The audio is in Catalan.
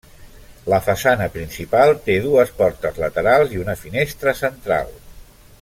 La façana principal té dues portes laterals i una finestra central.